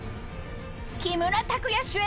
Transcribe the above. ［木村拓哉主演